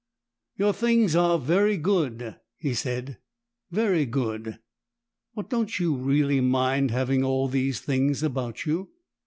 "Your things are very good," he said, "very good. But don't you really mind having all these things about you?"